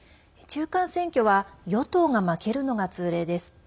中間選挙は与党が負けるのが通例です。